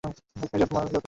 আপনি জাত মানেন!